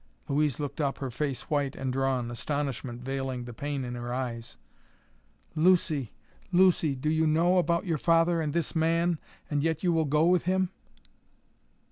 Louise looked up, her face white and drawn, astonishment veiling the pain in her eyes. "Lucy, Lucy! Do you know about your father and this man and yet you will go with him?"